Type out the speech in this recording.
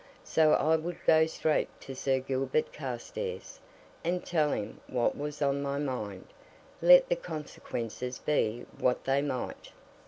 So I would go straight to Sir Gilbert Carstairs, and tell him what was in my mind let the consequences be what they might.